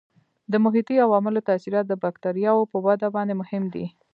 د محیطي عواملو تاثیرات د بکټریاوو په وده باندې مهم دي.